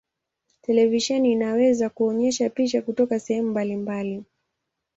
Televisheni inaweza kuonyesha picha kutoka sehemu mbalimbali.